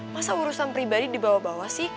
masa urusan pribadi dibawa bawa sih